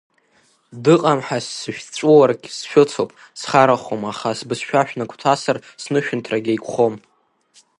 Дыҟам ҳәа сышәҵәыуаргь, сшәыцуп, схарахом, аха сбызшәа шәнагәҭасыр, снышәынҭрагь еиқәхом.